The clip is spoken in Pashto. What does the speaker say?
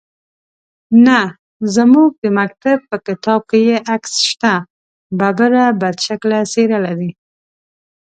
_نه، زموږ د مکتب په کتاب کې يې عکس شته. ببره، بدشکله څېره لري.